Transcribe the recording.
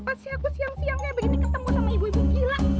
tapi apa sih aku siang siang kayak begini ketemu sama ibu ibu gila